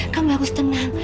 kamu harus tenang